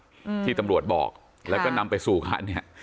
อืมที่ตำรวจบอกแล้วก็นำไปสู่คันเนี้ย